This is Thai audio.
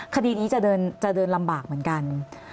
คดีนี้จะเดินลำบากเหมือนกัน